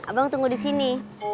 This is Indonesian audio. abang tunggu di sini